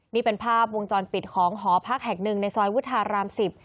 นี่เป็นภาพวงจรปิดของหอพักแห่งหนึ่งในซอยวุฒารามสิบ